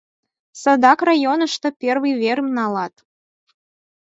«Садак районышто первый верым налам.